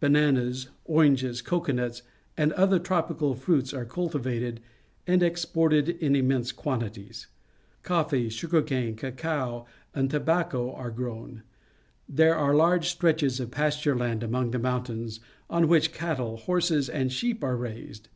Bananas, oranges, cocoa nuts, and other tropical fniits are cultivated and exported in immense quantities. Coffee, sugar cane, cacao, and tobacco are grown. There are large stretches of pasture land among the mountains, on which cattle, horses, and sheep are raised.